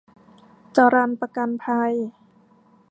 จรัญประกันภัย